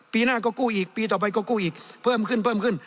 ปีหน้าก็กู้อีกปีต่อไปก็กู้อีกเพิ่มขึ้นเพิ่มขึ้น